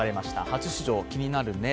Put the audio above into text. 初出場、気になるね。